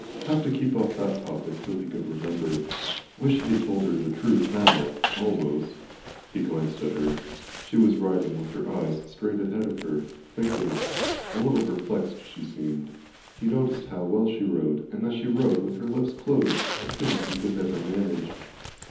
Have to keep off that topic until he could remember. Wish he'd told her the truth now almost. He glanced at her. She was riding with her eyes straight ahead of her. Thinking. A little perplexed, perhaps, she seemed. He noticed how well she rode and that she rode with her lips closed a thing he could never manage.